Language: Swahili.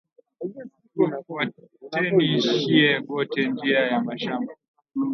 Tu fwateni shiye bote njiya ya mashamba